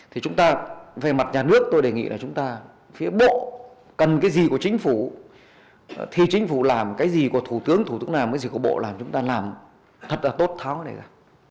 thì chúng ta về mặt nhà nước tôi đề nghị là chúng ta phía bộ cần cái gì của chính phủ thì chính phủ làm cái gì của thủ tướng thủ tướng làm cái gì của bộ làm chúng ta làm thật là tốt tháo này ra